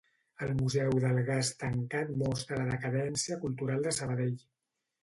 El Museu del Gas tancat mostra la decadència cultural de Sabadell.